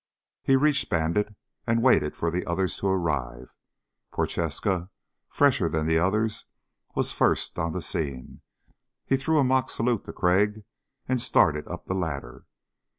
He reached Bandit and waited for the others to arrive. Prochaska, fresher than the others, was first on the scene. He threw a mock salute to Crag and started up the ladder.